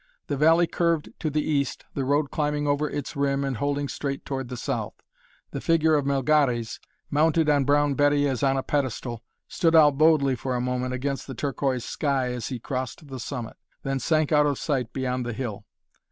The valley curved to the east, the road climbing over its rim and holding straight toward the south. The figure of Melgares, mounted on Brown Betty as on a pedestal, stood out boldly for a moment against the turquoise sky as he crossed the summit, then sank out of sight beyond the hill.